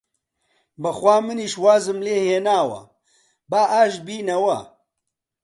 بەخوا منیش وازم لێ هێناوە، با ئاشت بینەوە!